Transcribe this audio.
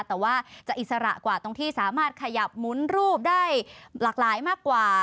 แต่ว่าจะอิสระกว่าตรงที่สามารถขยับหมุนรูปได้หลากหลายมากกว่า